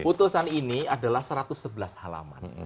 putusan ini adalah satu ratus sebelas halaman